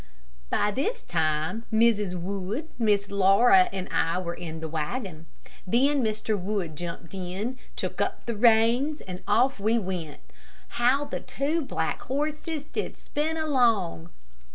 By this time, Mrs. Wood, Miss Laura and I were in the wagon. Then Mr. Wood jumped in, took up the reins, and off we went. How the two black horses did spin along!